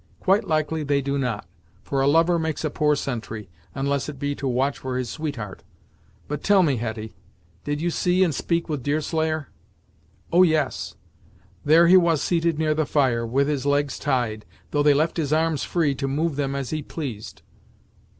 "Quite likely they do not, for a lover makes a poor sentry, unless it be to watch for his sweetheart! But tell me, Hetty, did you see and speak with Deerslayer?" "Oh, yes there he was seated near the fire, with his legs tied, though they left his arms free, to move them as he pleased."